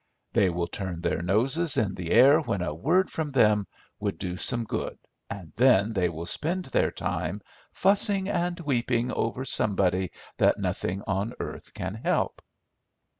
They will turn their noses in the air when a word from them would do some good, and then they will spend their time fussing and weeping over somebody that nothing on earth can help."